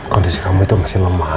kondisi kamu itu masih lemah